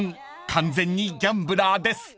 完全にギャンブラーです］